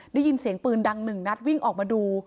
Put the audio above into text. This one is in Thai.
ได้ยินเสียงปืนดังหนึ่งนัดวิ่งออกมาดู